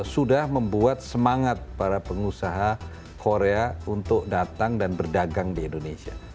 sudah membuat semangat para pengusaha korea untuk datang dan berdagang di indonesia